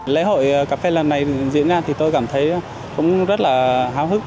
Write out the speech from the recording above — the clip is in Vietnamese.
lễ hội cà phê lần này diễn ra thì tôi cảm thấy cũng rất là háo hức